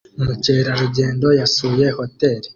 Umukerarugendo yasuye hotel